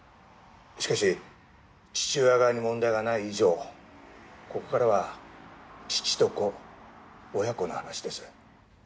しかし父親側に問題がない以上ここからは父と子親子の話です。